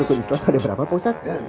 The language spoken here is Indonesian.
rukun islam ada berapa pak ustadz